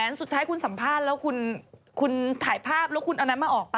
สุดท้ายคุณสัมภาษณ์แล้วคุณถ่ายภาพแล้วคุณเอานั้นมาออกป่